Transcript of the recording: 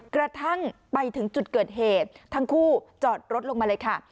กระทั่งไปถึงจุดเกิดเหตุทั้งคู่จอดรถลงมาเลยค่ะ